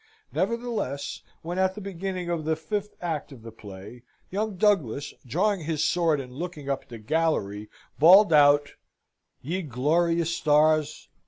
Nevertheless, when, at the beginning of the fifth act of the play, young Douglas, drawing his sword and looking up at the gallery, bawled out "Ye glorious stars!